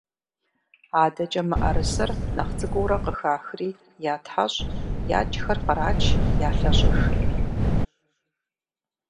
АдэкӀэ мыӀэрысэр, нэхъ цӀыкӀуурэ къыхахри, ятхьэщӀ, якӀхэр кърач, ялъэщӀыж.